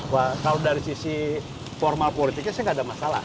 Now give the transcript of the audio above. wah kalau dari sisi formal politiknya saya nggak ada masalah